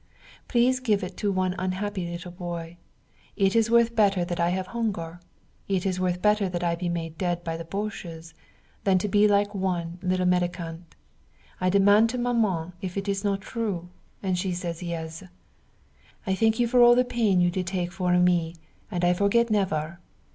Please give it to one unhappy little boy. It is worth better that I have hunger, it is worth better that I be made dead by the boches, than to be like one little mendicant. I demand to Maman if it is not true, and she say yes. I thank you for all the pain you did take for me and I forget never.